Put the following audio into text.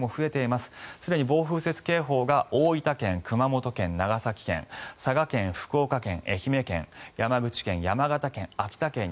すでに暴風雪警報が大分県、熊本県、長崎県佐賀県、福岡県、愛媛県山口県、山形県、秋田県に。